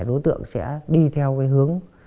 đối tượng sẽ đi theo cái hướng